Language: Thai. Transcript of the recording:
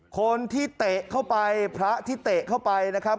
เตะเข้าไปพระที่เตะเข้าไปนะครับ